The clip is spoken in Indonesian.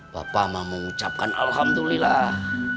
bapak ma mengucapkan alhamdulillah